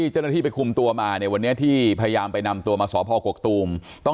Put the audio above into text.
หล่อไปคุมตัวมาในวันนี้ที่พยายามไปนำตัวมาสพกกตูมต้อง